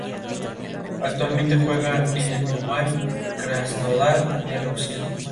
Como video artista, su obra se centra especialmente en la creación de documentales experimentales.